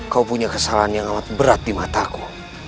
kau punya kesalahan yang amat berat di mataku